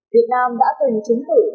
việt nam đã từng chính phủ